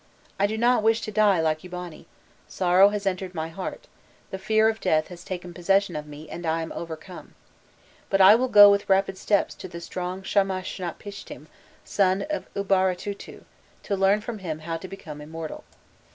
"I do not wish to die like Eabani: sorrow has entered my heart, the fear of death has taken possession of me, and I am overcome. But I will go with rapid steps to the strong Shamashnapishtim, son of Ubaratutu, to learn from him how to become immortal."